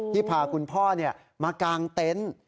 พาคุณพ่อมากางเต็นต์